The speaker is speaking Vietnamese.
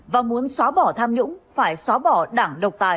và muốn xóa bỏ tham nhũng phải xóa bỏ đảng độc tài